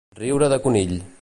Riure de conill.